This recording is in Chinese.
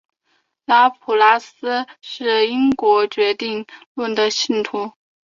拉普拉斯是因果决定论的信徒。